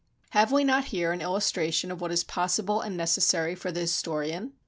Have we not here an illustration of what is possible and necessary for the historian?